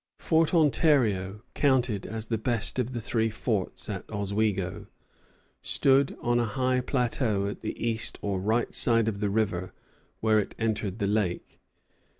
Fort Ontario, counted as the best of the three forts at Oswego, stood on a high plateau at the east or right side of the river where it entered the lake.